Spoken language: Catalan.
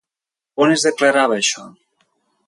On es declarava això?